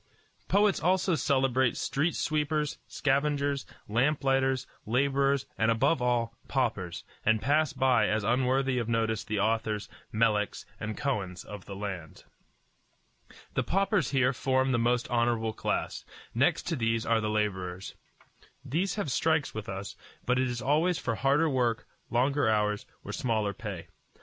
Poets also celebrate street sweepers, scavengers, lamp lighters, laborers, and above all, paupers, and pass by as unworthy of notice the authors, Meleks, and Kohens of the land. The paupers here form the most honorable class. Next to these are the laborers. These have strikes as with us; but it is always for harder work, longer hours, or smaller pay.